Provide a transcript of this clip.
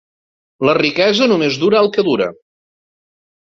La riquesa només dura el que dura.